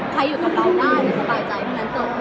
ใครอยู่กับเราได้จะสบายใจเมื่อนั้นจบ